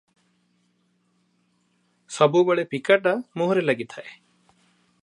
ସବୁବେଳେ ପିକାଟା ମୁହଁରେ ଲାଗିଥାଏ ।